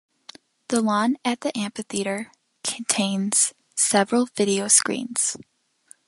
The lawn at the amphitheater contains several video screens.